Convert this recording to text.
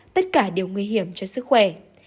tất cả đều nguy hiểm cho sức khỏe